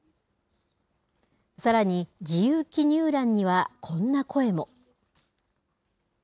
さらに自由記入欄にはこんな声も。